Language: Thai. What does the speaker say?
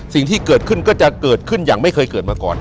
สิ่งที่เกิดขึ้นก็จะเกิดขึ้นอย่างไม่เคยเกิดมาก่อน